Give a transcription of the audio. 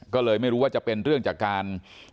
ก็เลยไม่รู้ว่าจะเป็นเรื่องจากการ